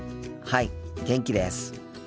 はい元気です。